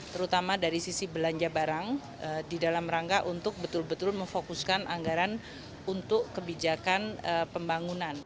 terutama dari sisi belanja barang di dalam rangka untuk betul betul memfokuskan anggaran untuk kebijakan pembangunan